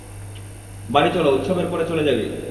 বাড়ি চল উৎসবের পর চলে যাবি।